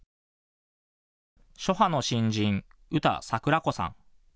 諸派の新人、宇田桜子さん。